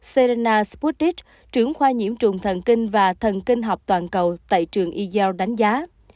serena sputnik trưởng khoa nhiễm trùng thần kinh và thần kinh học toàn cầu tại trường yale đánh giá